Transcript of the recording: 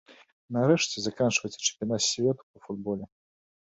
Нарэшце заканчваецца чэмпіянат свету па футболе.